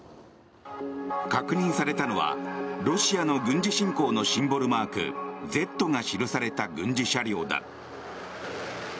確認されたのは、ロシアの軍事侵攻のシンボルマーク「Ｚ」が記された軍事車両だ。